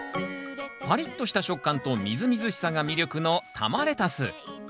パリッとした食感とみずみずしさが魅力の玉レタス。